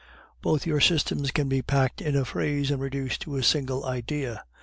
Both your systems can be packed in a phrase, and reduced to a single idea.